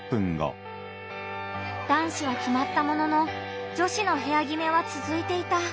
男子は決まったものの女子の部屋決めは続いていた。